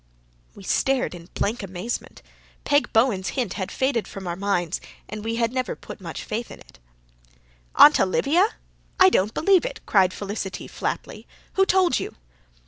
We stared in blank amazement. Peg Bowen's hint had faded from our minds and we had never put much faith in it. "Aunt Olivia! I don't believe it," cried Felicity flatly. "Who told you?"